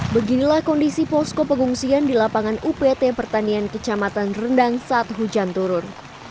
beginilah kondisi posko pengungsian di lapangan upt pertanian kecamatan rendang saat hujan turun